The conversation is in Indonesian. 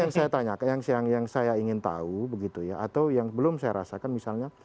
sekarang yang saya ingin tahu begitu ya atau yang belum saya rasakan misalnya